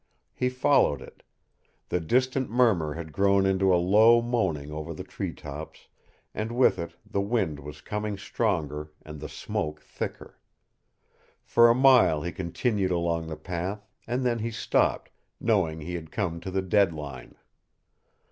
He followed it. The distant murmur had grown into a low moaning over the tree tops, and with it the wind was coming stronger, and the smoke thicker. For a mile he continued along the path, and then he stopped, knowing he had come to the dead line.